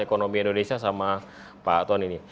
ekonomi indonesia sama pak tony ini